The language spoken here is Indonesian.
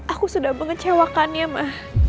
aku sudah mengecewakannya ma